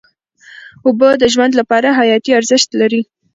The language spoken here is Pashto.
اوبه د ژوند لپاره حیاتي ارزښت لري.